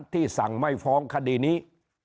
สั่งไม่ฟ้องคดีนี้